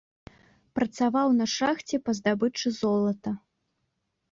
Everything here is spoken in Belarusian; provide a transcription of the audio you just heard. Працаваў на шахце па здабычы золата.